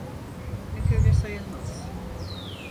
Pek öyle sayılmaz.